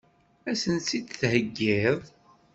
Ad sen-tt-id-theggiḍ?